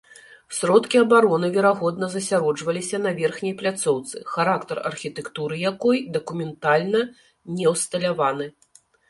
Сродкі абароны, верагодна, засяроджваліся на верхняй пляцоўцы, характар архітэктуры якой дакументальна не ўсталяваны.